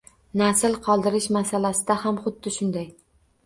Nasl qoldirish masalasida ham huddi shunday.